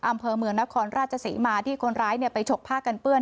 อำเภอเมืองนครราชศรีมาที่คนร้ายไปฉกผ้ากันเปื้อน